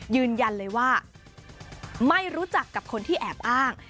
ยืนยันเลยว่าไม่รู้จักกับคนที่แอบอ้าง